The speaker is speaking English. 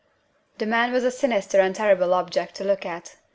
The man was a sinister and terrible object to look at.